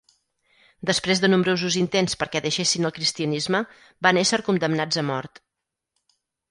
Després de nombrosos intents perquè deixessin el cristianisme, van ésser condemnats a mort.